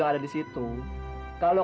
maka aku masih terkejut